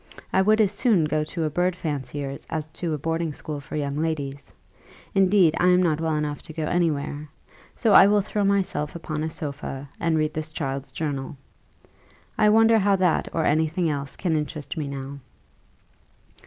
I would as soon go to a bird fancier's as to a boarding school for young ladies: indeed, I am not well enough to go any where. So I will throw myself upon a sofa, and read this child's journal. I wonder how that or any thing else can interest me now."